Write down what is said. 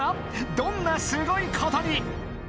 どんなすごいことに！